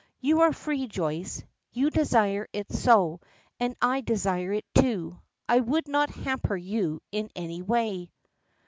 "You are free, Joyce; you desire it so, and I desire it, too. I would not hamper you in any way."